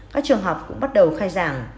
các trường học cũng bắt đầu khai giảng